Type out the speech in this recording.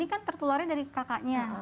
ini kan tertularnya dari kakaknya